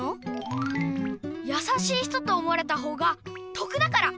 うんやさしい人と思われたほうが得だから！